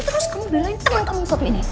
terus kamu belain temen kamu saat ini